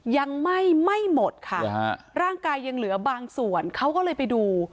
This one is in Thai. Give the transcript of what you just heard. ยังไหม้ไม่หมดค่ะร่างกายยังเหลือบางส่วนเขาก็เลยไปดู